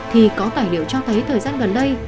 thì có tài liệu cho thấy thời gian gần đây